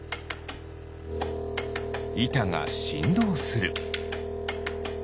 いたがしんどうする。